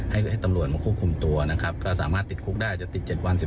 ให้ธนรวงมาคุมตัวนะครับก็สามารถติดคุกได้จะติด๗๑๕วันนะครับ